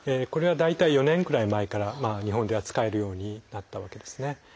これは大体４年くらい前から日本では使えるようになったわけですね。